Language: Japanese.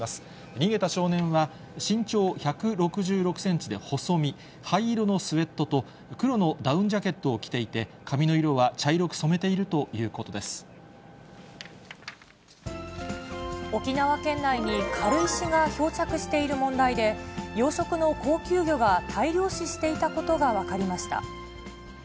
逃げた少年は、身長１６６センチで細身、灰色のスウェットと、黒のダウンジャケットを着ていて、髪の色は沖縄県内に軽石が漂着している問題で、養殖の高級魚が大量死していたことが分かりました。